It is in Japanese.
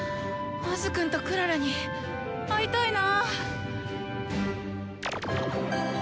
アズくんとクララに会いたいなぁ。